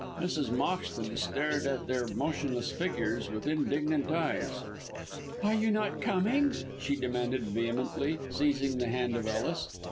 Mrs. Moxton stared at their motionless figures with indignant eyes. "Are you not coming?" she demanded vehemently, seizing the hand of Ellis.